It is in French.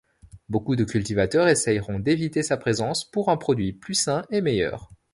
Beaucoup de cultivateurs essaieront d'éviter sa présence pour un produit plus sain et meilleur.